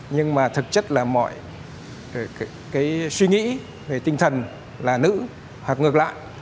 nhưng mà thực chất là mọi suy nghĩ về tinh thần là nữ hoặc ngược lại